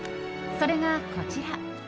それが、こちら。